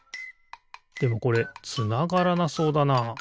でもこれつながらなそうだな。